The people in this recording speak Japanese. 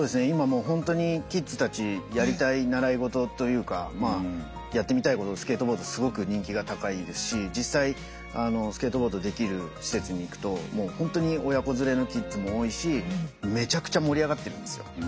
今もうほんとにキッズたちやりたい習い事というかやってみたいことスケートボードすごく人気が高いですし実際スケートボードできる施設に行くとほんとに親子連れのキッズも多いしめちゃくちゃ盛り上がってるんですよ。